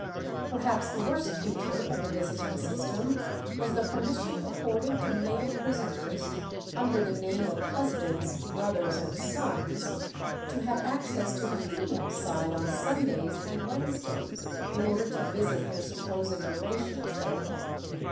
Perhaps the worst feature of the visiting system was the permission accorded to male prisoners "under the name of husbands, brothers, and sons" to have access to the female side on Sundays and Wednesdays, in order to visit their supposed relations there.